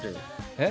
えっ？